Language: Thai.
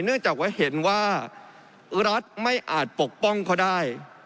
เนื่องจากว่าเห็นว่ารัฐไม่อาจปกป้องเขาได้